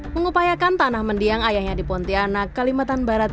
mengupayakan tanah mendiang ayahnya di pontianak kalimantan barat